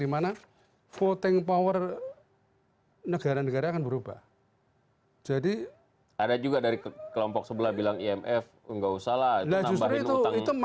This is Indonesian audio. inter spencer dan tiga chilai iklan dan sentra university veteran meleemaskan idom